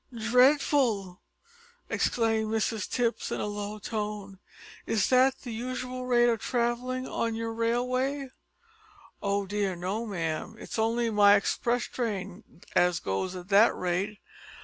"Dreadful!" exclaimed Mrs Tipps in a low tone. "Is that the usual rate of travelling on your railway?" "Oh dear no, ma'am. It's only my express train as goes at that rate.